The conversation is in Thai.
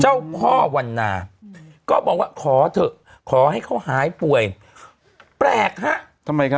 เจ้าพ่อวันนาก็บอกว่าขอเถอะขอให้เขาหายป่วยแปลกฮะทำไมครับ